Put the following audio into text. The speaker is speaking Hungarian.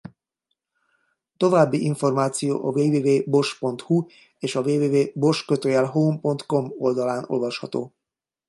További információ a www.bosch.hu és a www.bosch-home.com oldalán olvasható.